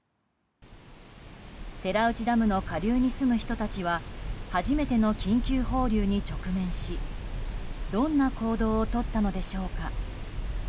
寺内ダムの下流に住む人たちは初めての緊急放流に直面しどんな行動をとったのでしょうか。